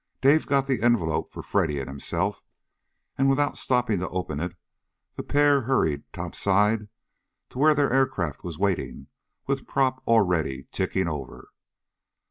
Dave got the envelope for Freddy and himself, and without stopping to open it the pair hurried top side to where their aircraft was waiting with prop already ticking over.